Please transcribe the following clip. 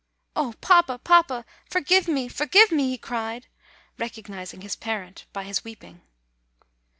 "Oh, papa, papa! forgive me, forgive me!" he cried, recognizing his parent by his weeping.